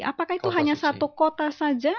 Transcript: apakah itu hanya satu kota saja